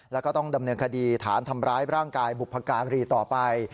แล้วก็ต้องดำเนินคดีฐานทำร้ายร่างกายบุพการีต่อไป